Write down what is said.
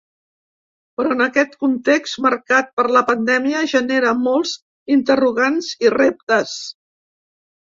Però en aquest context marcat per la pandèmia genera molts interrogants i reptes.